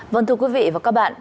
vâng thưa quý vị và các bạn